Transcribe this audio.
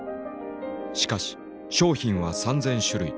しかし商品は３，０００種類。